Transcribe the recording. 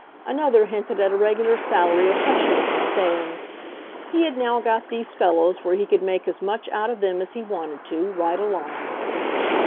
Another hinted at a regular salary of hush money, saying "he had now got these fellows where he could make as much out of them as he wanted to, right along."